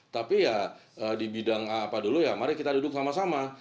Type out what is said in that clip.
tapi ya di bidang apa dulu ya mari kita duduk sama sama